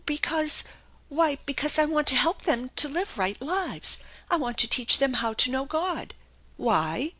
" Because why, because I want to help them to live right lives ; I want to teach them how to know God." "Why?"